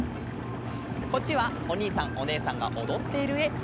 こっちはおにいさんおねえさんがおどっているえ！